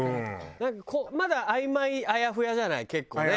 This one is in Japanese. なんかこうまだあいまいあやふやじゃない結構ね。